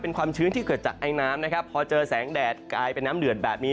เป็นความชื้นที่เกิดจากไอน้ำนะครับพอเจอแสงแดดกลายเป็นน้ำเดือดแบบนี้